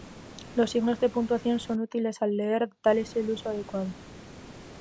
Los signos de puntuación son útiles al leer, dales el uso adecuado